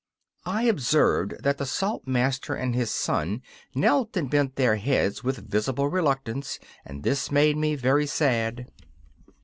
I observed that the Salt master and his son knelt and bent their heads with visible reluctance and this made me very sad.